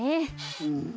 うん。